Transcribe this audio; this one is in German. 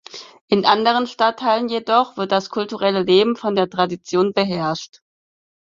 In den anderen Stadtteilen jedoch wird das kulturelle Leben von der Tradition beherrscht.